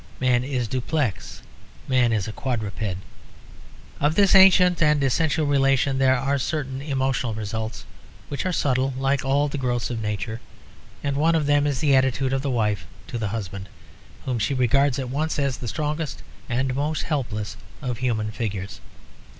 Man is duplex. Man is a quadruped. Of this ancient and essential relation there are certain emotional results, which are subtle, like all the growths of nature. And one of them is the attitude of the wife to the husband, whom she regards at once as the strongest and most helpless of human figures.